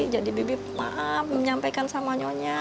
jadi bibi mah menyampaikan sama nyo nya